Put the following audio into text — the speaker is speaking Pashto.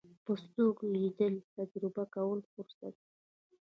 په سترګو لیدل د تجربه کولو فرصت دی